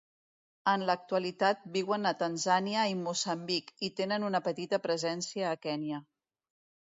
En l'actualitat viuen a Tanzània i Moçambic i tenen una petita presència a Kenya.